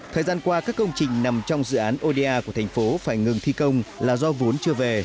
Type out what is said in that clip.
thời gian qua các công trình nằm trong dự án oda của thành phố phải ngừng thi công là do vốn chưa về